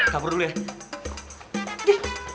kamu tuh anak